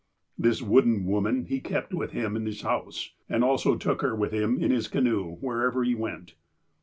*' This wooden woman he kept with him in his house, and also took her with him in his canoe wherever he went."